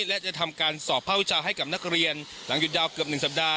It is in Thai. และจะทำการสอบภาควิจารณให้กับนักเรียนหลังหยุดยาวเกือบ๑สัปดาห